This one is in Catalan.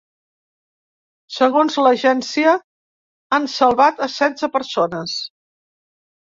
Segons l’agència han salvat a setze persones.